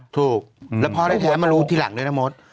ถูกแล้วพ่อแท้มารู้ทีหลังด้วยนะมศ